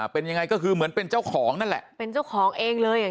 เป็นยังไงก็คือเหมือนเป็นเจ้าของนั่นแหละเป็นเจ้าของเองเลยอ่ะ